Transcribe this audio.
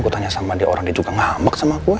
gue tanya sama dia orang dia juga ngambek sama gue